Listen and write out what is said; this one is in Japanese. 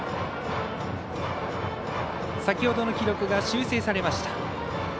先ほどの記録が修正されました。